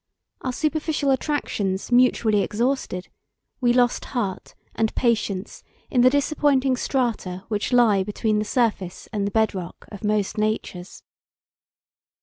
Our superficial attractions mutually exhausted, we lost heart and patience in the disappointing strata which lie between the surface and the bed rock of most natures.